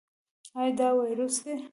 ایا دا وایروس دی؟